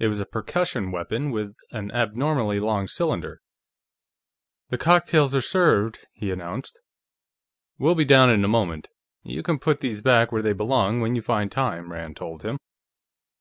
It was a percussion weapon with an abnormally long cylinder. "The cocktails are served," he announced. "We'll be down in a moment; you can put these back where they belong when you find time," Rand told him.